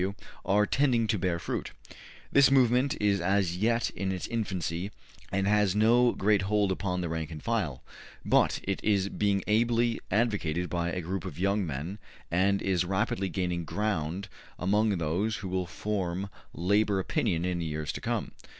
W. W. are tending to bear fruit. This movement is as yet in its infancy and has no great hold upon the rank and file, but it is being ably advocated by a group of young men, and is rapidly gaining ground among those who will form Labor opinion in years to come.